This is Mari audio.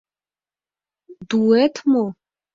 Дуэт мо?..